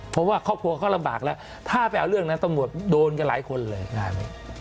เพราะว่าครอบครัวเขาลำบากแล้วถ้าไปเอาเรื่องนั้นตำรวจโดนกันหลายคนเลยงานนี้